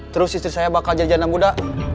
terus istri saya bakal jadi jalan muda